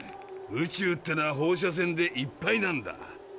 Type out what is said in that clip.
宇宙ってのは放射線でいっぱいなんだ。